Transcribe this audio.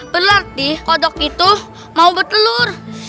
berarti kodok itu mau bertelur